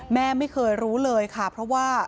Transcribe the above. แม่ไม่เคยรู้เลยค่ะเพราะว่า